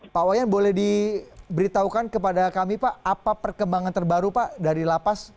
pak wayan boleh diberitahukan kepada kami pak apa perkembangan terbaru pak dari lapas